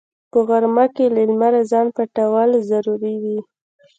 په غرمه کې له لمره ځان پټول ضروري وي